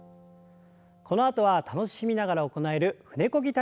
このあとは楽しみながら行える舟こぎ体操です。